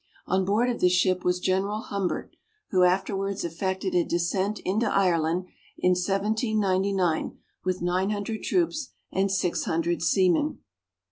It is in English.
On board of this ship was General Humbert, who afterwards effected a descent into Ireland (in 1799) with nine hundred troops and six hundred seamen.